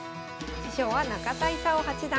師匠は中田功八段。